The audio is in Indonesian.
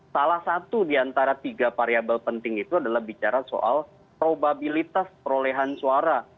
salah satu di antara tiga variable penting itu adalah bicara soal probabilitas perolehan suara